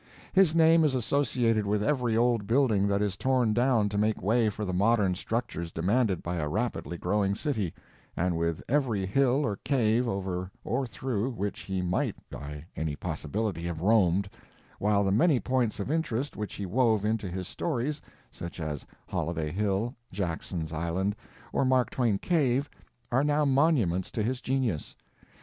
His name is associated with every old building that is torn down to make way for the modern structures demanded by a rapidly growing city, and with every hill or cave over or through which he might by any possibility have roamed, while the many points of interest which he wove into his stories, such as Holiday Hill, Jackson's Island, or Mark Twain Cave, are now monuments to his genius.